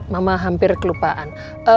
mama hampir kelupaan